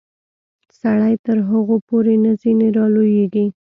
سړی تر هغو پورې نه ځینې رالویږي.